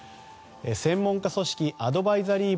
専門家組織アドバイザリー